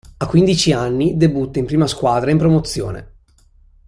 A quindici anni debutta in prima squadra in Promozione.